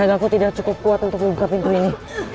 naga ku tidak cukup kuat untuk membuka pintu ini